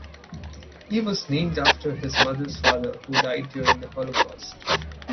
He was named after his mother's father, who died during the Holocaust.